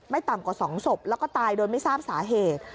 ต่ำกว่า๒ศพแล้วก็ตายโดยไม่ทราบสาเหตุ